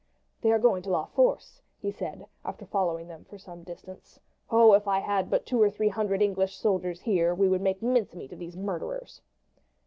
"They are going to La Force," he said, after following them for some distance. "Oh, if I had but two or three hundred English soldiers here we would make mincemeat of these murderers!"